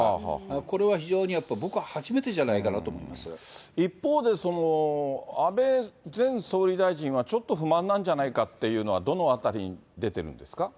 これは非常にやっぱ僕は、一方で、安倍前総理大臣は、ちょっと不満なんじゃないかっていうのは、どのあたりに出てるんですか？